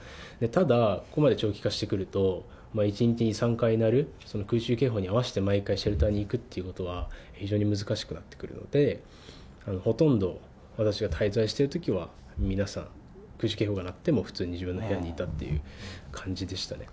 ただ、ここまで長期化してくると、１日２、３回鳴る空襲警報に合わせて、毎回シェルターに行くっていうのは非常に難しくなってくるので、ほとんど私が滞在しているときは、皆さん、空襲警報が鳴っても、普通に自分の部屋にいたっていう感じでしたね。